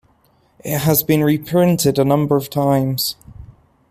It has been reprinted a number of times.